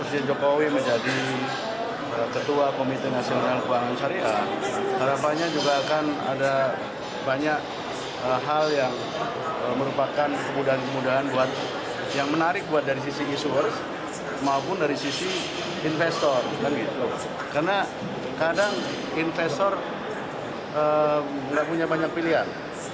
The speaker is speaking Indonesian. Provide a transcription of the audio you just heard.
sekarang investor tidak punya banyak pilihan